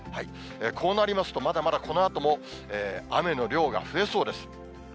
こうなりますと、まだまだこのあとも雨の量が増えそうです。